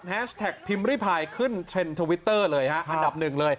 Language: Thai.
แฮชแท็กพิมริพายขึ้นเทรนด์ทวิตเตอร์เลยครับ